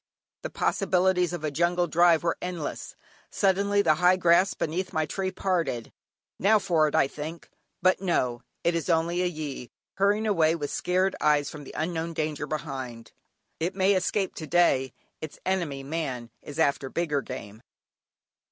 The possibilities of a jungle drive are endless. Suddenly the high grass beneath my tree parted, "Now for it," I think. But no! it is only a gyee, hurrying away with scared eyes from the unknown danger behind. It may escape to day; its enemy, man, is after bigger game.